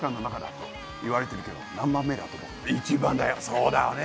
「そうだよね。